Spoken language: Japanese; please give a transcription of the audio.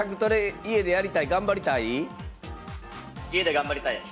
家で頑張りたいです。